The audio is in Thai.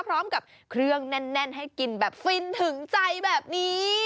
พร้อมกับเครื่องแน่นให้กินแบบฟินถึงใจแบบนี้